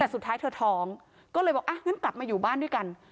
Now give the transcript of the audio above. แต่สุดท้ายเธอท้องก็เลยบอกอ่ะงั้นกลับมาอยู่บ้านด้วยกัน